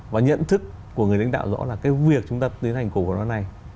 và nhận thức của người đánh đạo rõ là cái việc chúng ta tiến hành cổ của nó này